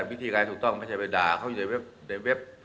วิธีการถูกต้องไม่ใช่ไปด่าเขาอยู่ในเว็บ